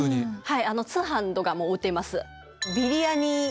はい。